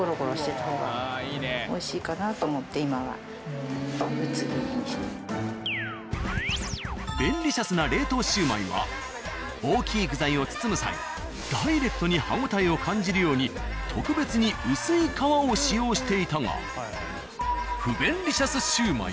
やっぱり便利シャスな冷凍シュウマイは大きい具材を包む際ダイレクトに歯応えを感じるように特別に薄い皮を使用していたが。